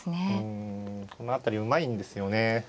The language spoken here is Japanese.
うんこの辺りうまいんですよね。